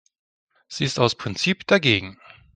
Sie ist aus Prinzip dagegen.